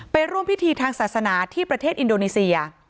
ร่วมพิธีทางศาสนาที่ประเทศอินโดนีเซีย